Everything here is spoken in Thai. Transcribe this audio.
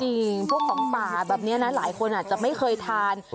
พวกของป่าแบบนี้นะหลายคนอาจจะไม่เคยทาน